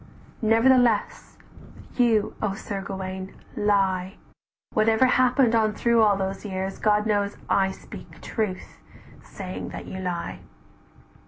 "Nevertheless you, O Sir Gauwaine, lie, Whatever happened on through all those years, God knows I speak truth, saying that you lie.